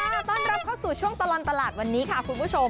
ต้อนรับเข้าสู่ช่วงตลอดตลาดวันนี้ค่ะคุณผู้ชม